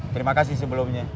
terima kasih sebelumnya